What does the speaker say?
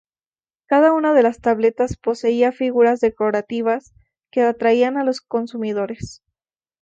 Cada una de las tabletas poseía figuras decorativas que atraían a los consumidores.